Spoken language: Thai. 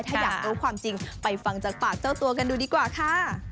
ถ้าอยากรู้ความจริงไปฟังจากปากเจ้าตัวกันดูดีกว่าค่ะ